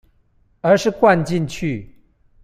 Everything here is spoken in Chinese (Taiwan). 而是灌進去